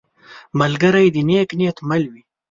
ملګری د نیک نیت مل وي